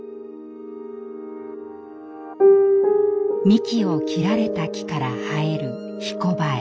幹を切られた木から生えるひこばえ。